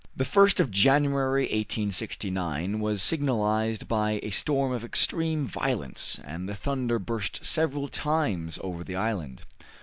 The 1st of January, 1869, was signalized by a storm of extreme violence, and the thunder burst several times over the island.